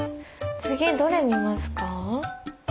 次どれ見ますか？